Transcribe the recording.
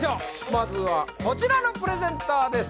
まずはこちらのプレゼンターです